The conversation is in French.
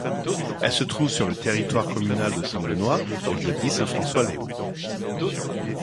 Elle se trouve sur le territoire communal de Saint-Benoît au lieu dit Saint-François-Les-Hauts.